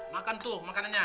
makan tuh makanannya